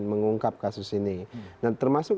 mengungkap kasus ini termasuk